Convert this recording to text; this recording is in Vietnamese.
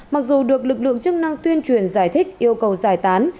mặc dù được lực lượng chức năng tuyên truyền giải thích yêu cầu giải tán